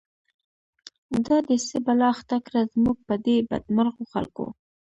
دا دی څه بلا اخته کړه، زموږ په دی بد مرغو خلکو